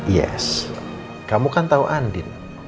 yes kamu kan tau andi